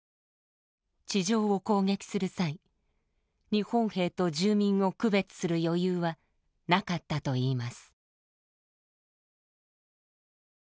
地上を攻撃する際日本兵と住民を区別する余裕はなかったといいます。